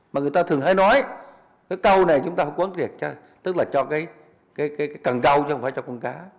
mà người ta thường hay nói cái câu này chúng ta phải quấn kiệt cho tức là cho cái cần câu chứ không phải cho con cá